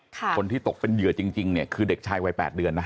คนที่ตกเป็นเหยื่อจริงเนี่ยคือเด็กชายวัย๘เดือนนะ